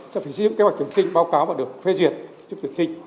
sẽ phải giữ kế hoạch tuyển sinh báo cáo và được phê duyệt cho tuyển sinh